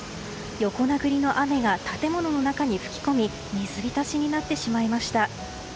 横殴りの雨が建物の中に吹き込み水浸しになってしまいました。